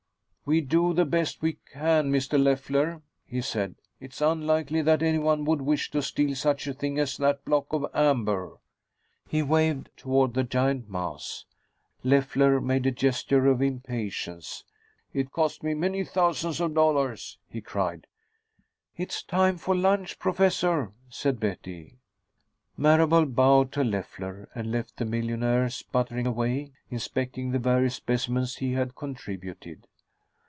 "We do the best we can, Mr. Leffler," he said. "It is unlikely that anyone would wish to steal such a thing as that block of amber." He waved toward the giant mass. Leffler made a gesture of impatience. "It cost me many thousands of dollars," he cried. "It is time for lunch, Professor," said Betty. Marable bowed to Leffler and left the millionaire sputtering away, inspecting the various specimens he had contributed.